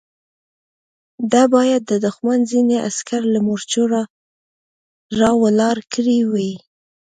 ده بايد د دښمن ځينې عسکر له مورچو را ولاړ کړي وای.